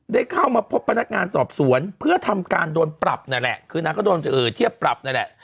ได้เข้ามาพบพนักงานสอบสวนเพื่อทำการโดนปรับนั่นแหละคือนางก็โดนเทียบปรับนั่นแหละ